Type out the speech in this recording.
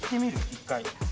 一回。